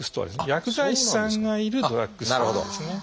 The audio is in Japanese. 薬剤師さんがいるドラッグストアですね。